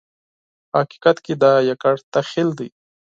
په حقیقت کې دا یوازې تخیل دی.